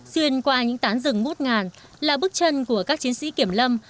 xuyên qua những tán rừng ngút ngàn là bước chân của các chiến sĩ kiểm lâm